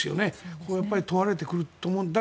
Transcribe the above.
ここが問われてくると思います。